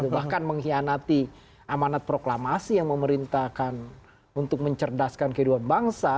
bahkan mengkhianati amanat proklamasi yang memerintahkan untuk mencerdaskan kehidupan bangsa